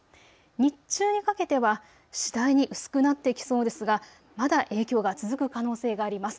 日中にかけては次第に薄くなってきそうですが、まだ影響が続く可能性があります。